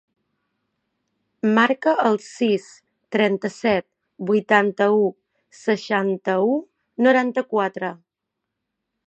Marca el sis, trenta-set, vuitanta-u, seixanta-u, noranta-quatre.